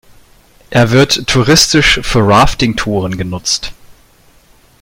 Er wird touristisch für Rafting-Touren genutzt.